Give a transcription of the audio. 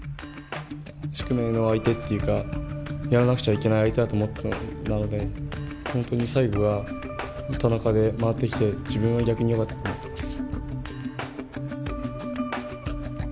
宿命の相手っていうかやらなくちゃいけない相手だと思っていたのでなので本当に最後は田中で回ってきて自分は逆によかったって思ってます。